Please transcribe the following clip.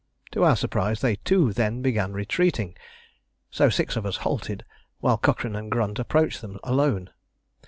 To our surprise they too then began retreating, so six of us halted while Cochrane and Grunt approached them alone.